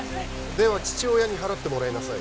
では父親に払ってもらいなさい